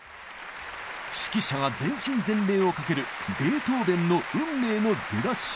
指揮者が全身全霊をかけるベートーベンの「運命」の出だし。